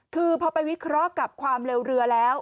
คือพอไปวิเคราะห์กับความเร็วเรือแล้ว